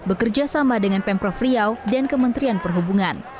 bekerja sama dengan pemprov riau dan kementerian perhubungan